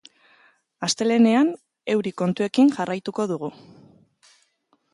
Astelehenean, euri kontuekin jarraituko dugu.